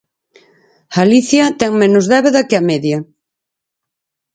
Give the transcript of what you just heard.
Galicia ten menos débeda que a media.